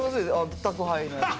宅配のやつ。